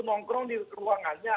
nongkrong di ruangannya